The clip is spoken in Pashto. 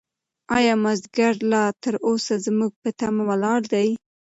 ایا مازیګر لا تر اوسه زموږ په تمه ولاړ دی؟